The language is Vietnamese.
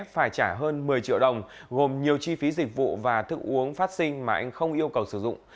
phải trả hơn một mươi triệu đồng gồm nhiều chi phí dịch vụ và thức uống phát sinh mà anh không yêu cầu sử dụng